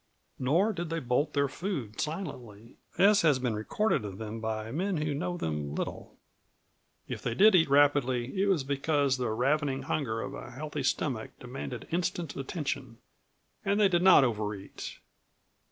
Nor did they bolt their food silently as has been recorded of them by men who knew them little. If they did eat rapidly it was because the ravening hunger of a healthy stomach demanded instant attention. And they did not overeat.